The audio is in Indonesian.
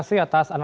ka ada juga